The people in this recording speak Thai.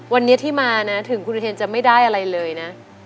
วันนี้ที่มานะถึงคุณอุเทนจะไม่ได้อะไรเลยนะ